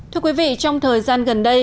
thưa quý vị trong thời gian gần đây